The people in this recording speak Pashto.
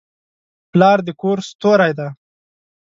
پلار د کور ستوری دی.